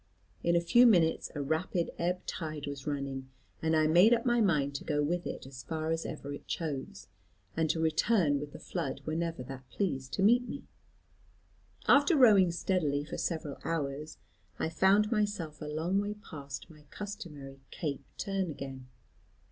In a few minutes a rapid ebb tide was running, and I made up my mind to go with it as far as ever it chose, and to return with the flood whenever that pleased to meet me. "After rowing steadily for several hours, I found myself a long way past my customary Cape Turn again.